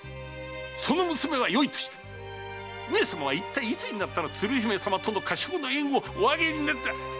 その娘はよいとして上様はいったいいつになったら鶴姫様との華燭の宴をお上げになって！